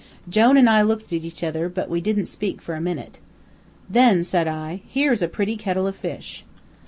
"Jone an' I looked at each other, but we didn't speak for a minute. "'Then,' says I, 'here's a pretty kittle o' fish.'